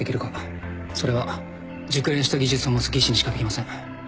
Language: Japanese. それは熟練した技術を持つ技師にしかできません